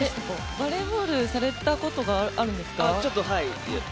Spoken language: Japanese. バレーボールされたことがあるんですか？